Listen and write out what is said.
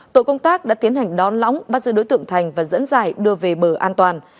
tội công tác đã tiến hành đón lóng bắt giữ đối tượng thành và dẫn dài đưa về bờ an toàn